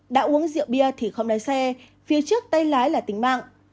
đã uống rượu bia thì không lái xe phía trước tay lái là tính mạng